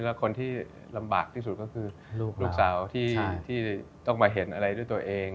และคนที่ลำบากที่สุดก็คือลูกสาวที่ต้องมาเห็นอะไรด้วยตัวเอง